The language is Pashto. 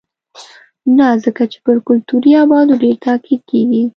نه ځکه چې پر کلتوري ابعادو ډېر تاکید کېږي.